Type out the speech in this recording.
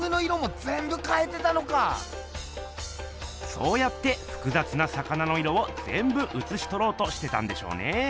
そうやってふくざつな魚の色をぜんぶうつしとろうとしてたんでしょうね。